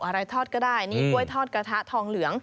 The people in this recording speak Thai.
อะไรทอดก็ได้นี่กล้วยทอดกระทะทองเหลือง